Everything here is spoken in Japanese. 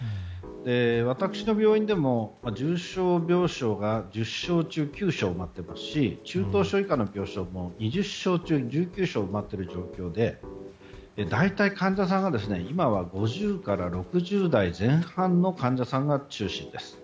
私の病院でも重症病床が１０床中９床埋まっていますし中等症以下の病床も２０床中１９床埋まっている状況で大体、患者さんが今は５０代から６０代前半の患者さんが中心です。